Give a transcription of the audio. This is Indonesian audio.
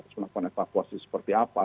sebabnya evakuasi seperti apa